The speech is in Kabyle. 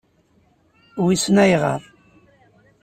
Wissen ayɣeṛ.